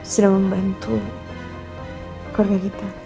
sudah membantu keluarga kita